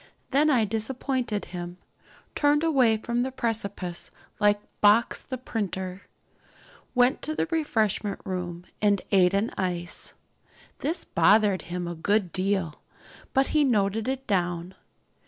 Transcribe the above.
Then I disappointed him, turned away from the precipice like Box the printer, went to the refreshment room and ate an ice. This bothered him a good deal, but he noted it down.